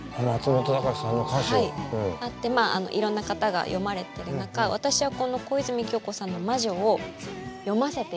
あってまあいろんな方が読まれてる中私はこの小泉今日子さんの「魔女」を読ませていただいて。